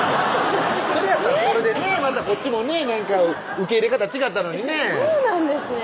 それやったらそれでねまたこっちもねなんか受け入れ方違ったのにねそうなんですね